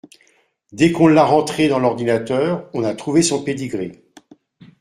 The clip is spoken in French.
Dès qu’on l’a rentré dans l’ordinateur, on a trouvé son pedigree